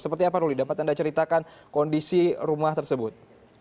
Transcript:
seperti apa ruli dapat anda ceritakan kondisi rumah tersebut